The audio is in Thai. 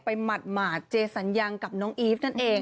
หมาดเจสัญญังกับน้องอีฟนั่นเอง